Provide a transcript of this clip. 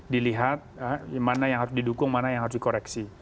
dilihat mana yang harus didukung mana yang harus dikoreksi